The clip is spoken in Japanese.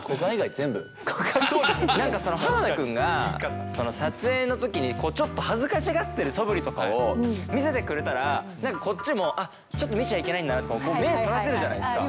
全なんか、浜田君がその撮影のときに、ちょっと恥ずかしがってるそぶりとかを見せてくれたら、なんかこっちも、あっ、ちょっと見ちゃいけないんだなと、目そらせるじゃないですか。